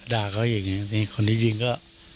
ด่าเขาอย่างนี้คนที่ยิงก็